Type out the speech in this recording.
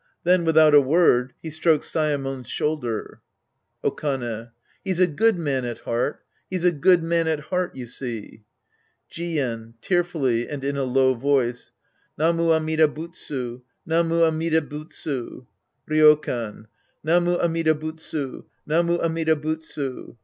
Then without a word, he strokes Saemon's shoulder^ Okane. He's a good man at heart. He's a good man at heart, you see. Jien [tearfully and in a low voice). Namu Amida Butsu ! Namu Amida Butsu ! Ryokan. Namu Amida Butsu ! Namu Amida Butsu